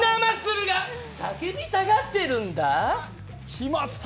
きました